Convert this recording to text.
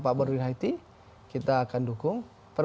yang pak bg kita akan dukung